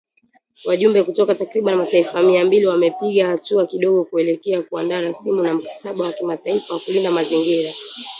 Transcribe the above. Wajumbe kutoka takribani mataifa mia mbili wamepiga hatua kidogo kuelekea kuandaa rasimu ya mkataba wa kimataifa wa kulinda mazingira